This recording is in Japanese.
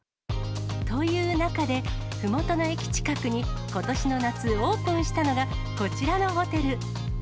という中で、ふもとの駅近くにことしの夏オープンしたのが、こちらのホテル。